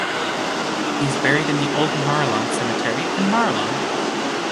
He is buried in the Old Marulan Cemetery in Marulan.